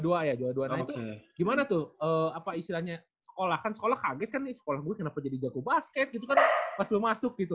juara dua ya juara dua nah itu gimana tuh apa istilahnya sekolah kan sekolah kaget kan nih sekolah gue kenapa jadi jago basket gitu kan pas lo masuk gitu